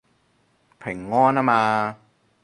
平安吖嘛